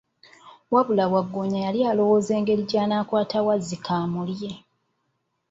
Wabula Waggoonya yali alowooza ngeri gy'anaakwata Wazzike amulye.